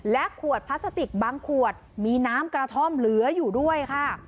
และขวดพลาสติกบางขวดมีน้ำกระท่อมเหลืออยู่ด้วยค่ะ